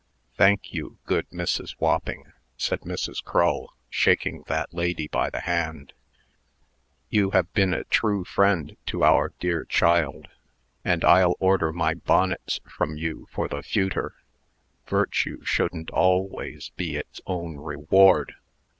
"Thank you, good Mrs. Wopping!" said Mrs. Crull, shaking that lady by the hand, "you have been a true friend to our dear child; and I'll order my bonnets from you for the futer. Virtue shouldn't always be its own reward.